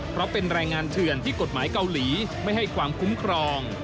เพราะเป็นแรงงานเถื่อนที่กฎหมายเกาหลีไม่ให้ความคุ้มครอง